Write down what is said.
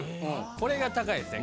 これが高いですね